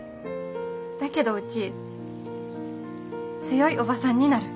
だけどうち強いおばさんになる。